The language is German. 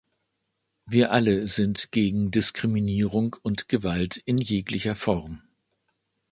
Wir alle sind gegen Diskriminierung und Gewalt in jeglicher Form.